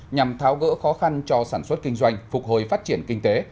nhằm tháo gỡ khó khăn cho sản xuất kinh doanh phục hồi phát triển kinh tế